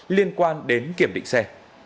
liên quan đến kiểm định xe